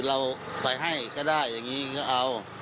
เราไปให้ก็ได้อย่างนี้ก็เอา